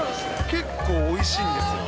結構おいしいんですよ。